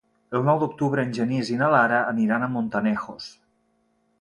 El nou d'octubre en Genís i na Lara aniran a Montanejos.